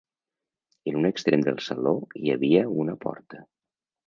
En un extrem del saló hi havia una porta.